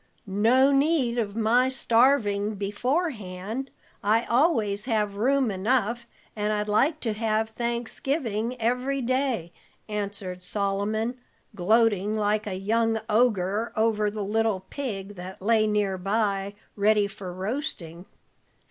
"No need of my starvin' beforehand. I always have room enough, and I'd like to have Thanksgiving every day," answered Solomon, gloating like a young ogre over the little pig that lay near by, ready for roasting.